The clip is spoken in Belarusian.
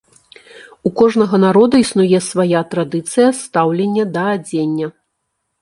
У кожнага народа існуе свая традыцыя стаўлення да адзення.